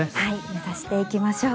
目指していきましょう。